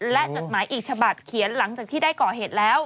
และจดหมายอีกฉบับเขียนหลังจากที่ได้ก่อเหตุแล้ว